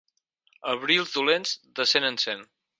Abrils dolents, de cents en cents.